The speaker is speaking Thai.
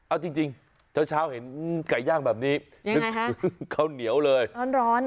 เอาจริงเช้าเห็นอืมไก่ย่างแบบนี้ยังไงคะเขาเหนียวเลยร้อนร้อน